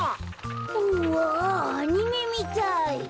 うわあアニメみたい！